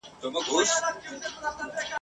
« هغه ځای سوځي چي اور ورباندي بل وي» !.